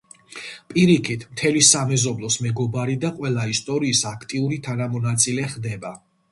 პირიქით, მთელი სამეზობლოს მეგობარი და ყველა ისტორიის აქტიური თანამონაწილე ხდება.